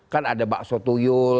kan ada bakso tuyul